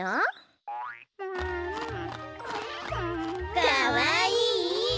かわいい！